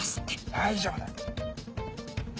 大丈夫だ。